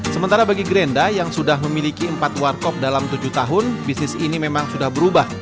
sementara bagi grenda yang sudah memiliki empat warkop dalam tujuh tahun bisnis ini memang sudah berubah